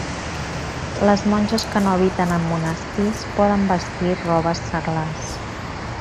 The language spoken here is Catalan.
Les monges que no habiten en monestirs poden vestir robes seglars.